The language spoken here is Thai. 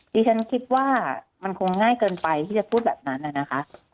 ดิฉันคิดว่ามันคงง่ายเกินไปที่จะพูดแบบนั้นนะคะ